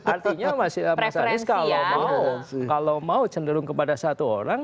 artinya mas anies kalau mau cenderung kepada satu orang